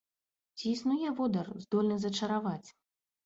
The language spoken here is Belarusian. Ці існуе водар, здольны зачараваць?